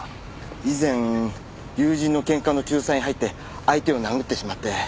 以前友人の喧嘩の仲裁に入って相手を殴ってしまって。